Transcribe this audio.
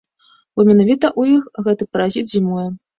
Бо менавіта ў іх гэты паразіт зімуе.